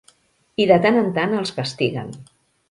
I de tant en tant els castiguen.